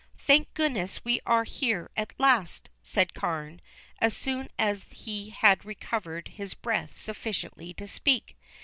"Thank goodness we are here at last," said Carne, as soon as he had recovered his breath sufficiently to speak.